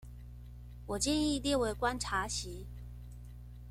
我建議列為觀察席